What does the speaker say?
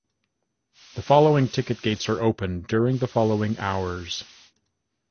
The following ticket gates are open during the following hours.